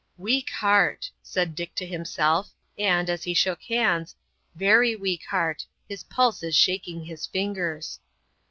"Weak heart," said Dick to himself, and, as he shook hands, "very weak heart. His pulse is shaking his fingers."